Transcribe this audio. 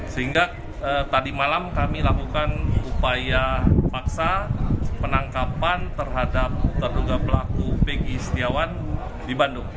sehingga tadi malam kami lakukan upaya paksa penangkapan terhadap terduga pelaku pegi setiawan di bandung